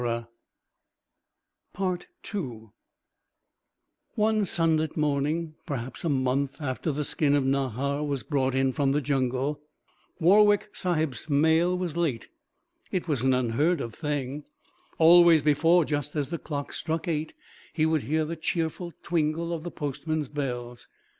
II One sunlit morning, perhaps a month after the skin of Nahar was brought in from the jungle, Warwick Sahib's mail was late. It was an unheard of thing. Always before, just as the clock struck eight, he would hear the cheerful tinkle of the postman's bells.